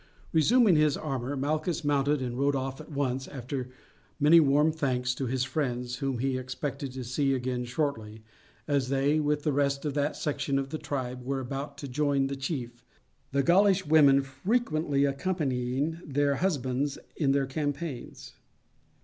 Resuming his armour Malchus mounted and rode off at once, after many warm thanks to his friends, whom he expected to see again shortly, as they, with the rest of that section of the tribe, were about to join the chief the Gaulish women frequently accompanying their husbands in their campaigns.